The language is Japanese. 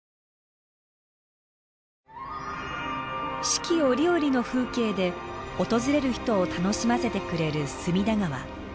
四季折々の風景で訪れる人を楽しませてくれる隅田川。